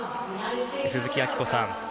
鈴木明子さん